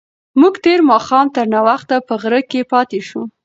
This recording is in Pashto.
موږ تېر ماښام تر ناوخته په غره کې پاتې شوو.